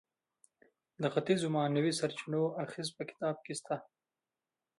د ختیځو معنوي سرچینو اغیز په کتاب کې شته.